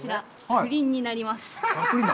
プリンになります。